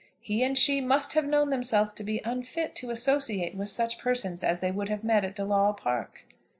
He and she must have known themselves to be unfit to associate with such persons as they would have met at De Lawle Park.